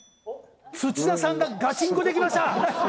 土田さんがガチンコできました！